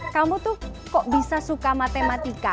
kamu tuh kok bisa suka matematika